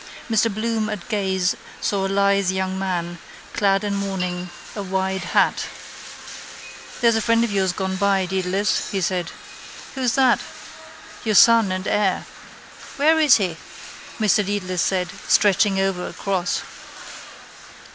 Mr Bloom at gaze saw a lithe young man, clad in mourning, a wide hat. —There's a friend of yours gone by, Dedalus, he said. —Who is that? —Your son and heir. —Where is he? Mr Dedalus said, stretching over across.